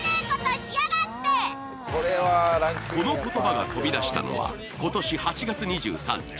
この言葉が飛び出したのは、今年８月２３日。